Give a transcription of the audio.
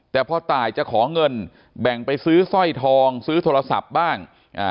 แต่พอตายจะขอเงินแบ่งไปซื้อสร้อยทองซื้อโทรศัพท์บ้าง